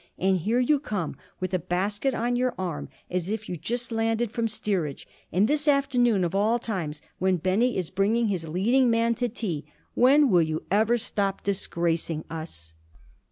And here you come with a basket on your arm as if you just landed from steerage! And this afternoon, of all times, when Benny is bringing his leading man to tea. When will you ever stop disgracing us?"